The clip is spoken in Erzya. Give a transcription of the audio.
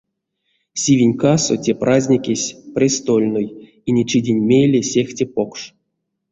Сивинькасо те праздникесь престольной, инечиденть мейле сехте покш.